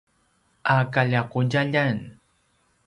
a kaljaqudjaljan